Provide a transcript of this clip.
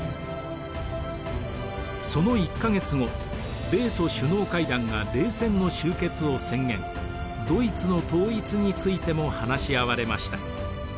その１か月後米ソ首脳会談が冷戦の終結を宣言ドイツの統一についても話し合われました。